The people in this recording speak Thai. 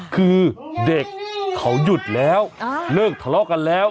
คือเด็กเขาหยุดแล้วเลิกทะเลาะกันแล้ว